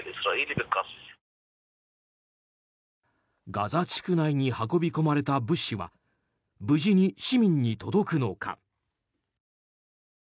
ガザ地区内に運び込まれた物資は無事に市民に届くのか。